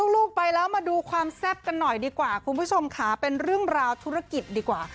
ลูกไปแล้วมาดูความแซ่บกันหน่อยดีกว่าคุณผู้ชมค่ะเป็นเรื่องราวธุรกิจดีกว่า